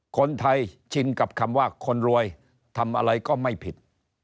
คนไทยชินกับคำว่าคนรวยทำอะไรก็ไม่ผิด